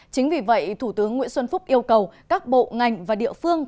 chính vì vậy thủ tướng nguyễn xuân phúc yêu cầu các bộ ngành và địa phương